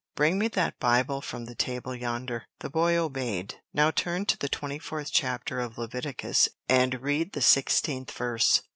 Bring me that Bible from the table yonder." The boy obeyed. "Now turn to the twenty fourth chapter of Leviticus, and read the sixteenth verse."